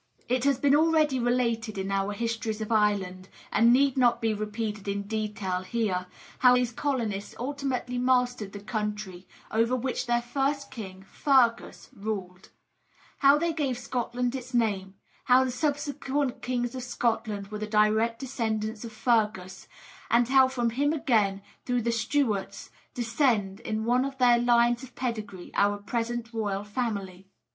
It has been already related in our Histories of Ireland, and need not be repeated in detail here, how these colonists ultimately mastered the country, over which their first king, Fergus, ruled; how they gave Scotland its name; how the subsequent kings of Scotland were the direct descendants of Fergus; and how from him again, through the Stuarts, descend, in one of their lines of pedigree, our present royal family.